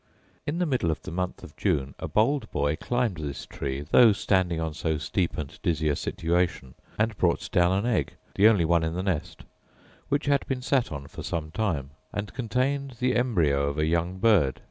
In the middle of the month of June a bold boy climbed this tree, though standing on so steep and dizzy a situation, and brought down an egg, the only one in the nest, which had been sat on for some time, and contained the embrio of a young bird.